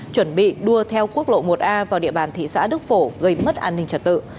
chuẩn bị đua theo quốc lộ một a vào địa bàn thị xã đức phổ gây mất an ninh trật tự